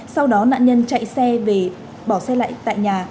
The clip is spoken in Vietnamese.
sau đó nạn nhân chạy xe về bỏ xe lại tại nhà